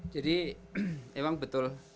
jadi emang betul